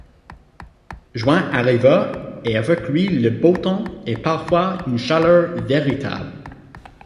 Juin arriva, et avec lui le beau temps et parfois une chaleur véritable.